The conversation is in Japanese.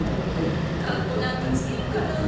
かっこなんかつけるから。